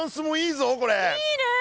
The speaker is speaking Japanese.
いいねえ。